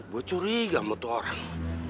gue curiga sama tuh orang